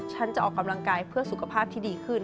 ฉันจะออกกำลังกายเพื่อสุขภาพที่ดีขึ้น